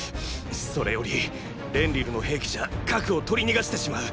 それよりレンリルの兵器じゃ核を取り逃がしてしまう！